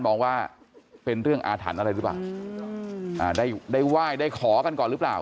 บอกว่าเป็นเรื่องอาถรรพ์อะไรสับและได้หวายได้ขอกันก่อนหรือเปล่า